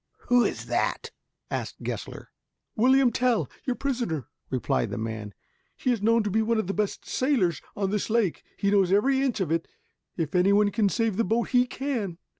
"Who is that?" asked Gessler. "William Tell, your prisoner," replied the man. "He is known to be one of the best sailors on this lake. He knows every inch of it. If any one can save the boat, he can."